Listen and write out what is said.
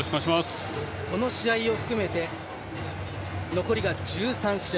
この試合を含めて残りが１３試合。